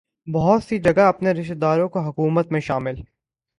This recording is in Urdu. بہت سی جگہ اپنے رشتہ داروں کو حکومت میں شامل